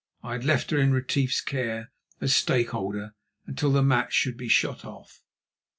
(I had left her in Retief's care as stakeholder, until the match should be shot off.)